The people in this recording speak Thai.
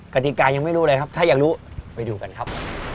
กติกายังไม่รู้เลยครับถ้าอยากรู้ไปดูกันครับ